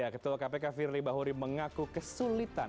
ketua kpk firly bahuri mengaku kesulitan